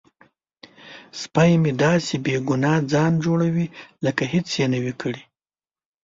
سپی مې داسې بې ګناه ځان جوړوي لکه هیڅ یې نه وي کړي.